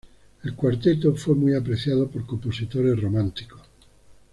El cuarteto fue muy apreciado por compositores románticos.